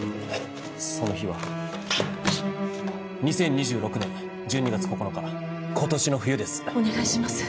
その日は２０２６年１２月９日今年の冬ですお願いします